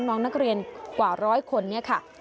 น้องนักเรียนกว่าร้อยคนนี้ค่ะ